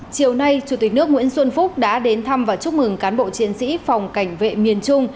chiều nay chủ tịch nước nguyễn xuân phúc đã đến thăm và chúc mừng cán bộ chiến sĩ phòng cảnh vệ miền trung